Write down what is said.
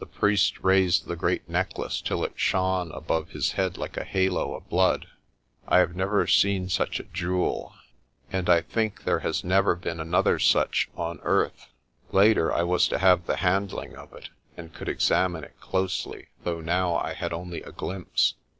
The priest raised the great necklace till it shone above his head like a halo of blood. I have never seen such a 138 PRESTER JOHN jewel, and I think there has never been another such on earth. Later I was to have the handling of it and could examine it closely, though now I had only a glimpse.